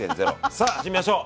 さあ始めましょう。